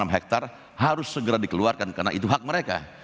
delapan puluh empat enam hektar harus segera dikeluarkan karena itu hak mereka